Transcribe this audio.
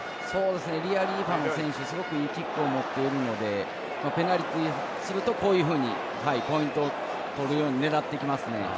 リアリーファノ選手いいキックを持っているのでペナルティするとこういうふうにポイントを取るように狙ってきますね。